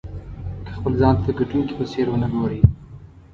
که خپل ځان ته د ګټونکي په څېر ونه ګورئ.